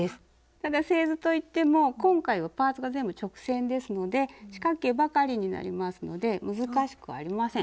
ただ製図といっても今回はパーツが全部直線ですので四角形ばかりになりますので難しくありません。